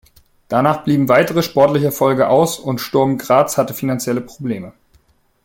Danach blieben weitere sportliche Erfolge aus und Sturm Graz hatte finanzielle Probleme.